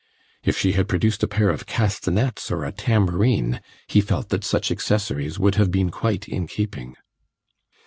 If she had produced a pair of castanets or a tambourine, he felt that such accessories would have been quite in keeping.